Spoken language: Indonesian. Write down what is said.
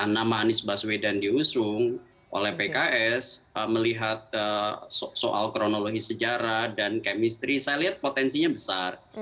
nama anies baswedan diusung oleh pks melihat soal kronologi sejarah dan kemistri saya lihat potensinya besar